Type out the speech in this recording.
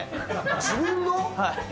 自分の？